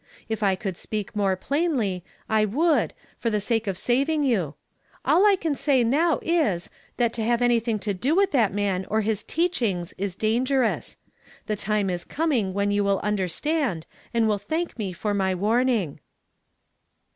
If I could speak more plainly, I would, for the sake of saving you ; all I can say now is, that to have anything to do with that man or his teachings is dangerous. The time is coming when you will understand, and will thank me for my warning."